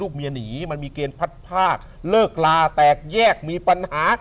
เมียหนีมันมีเกณฑ์พัดภาคเลิกลาแตกแยกมีปัญหา